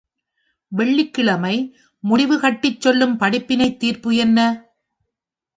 வெள்ளிக்கிழமை முடிவுகட்டிச் சொல்லும் படிப்பினைத் தீர்ப்பு என்ன?